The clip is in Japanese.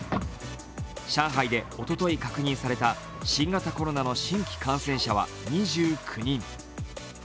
上海でおととい確認された新型コロナの新規感染者は２９人。